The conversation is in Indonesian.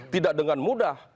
tidak dengan mudah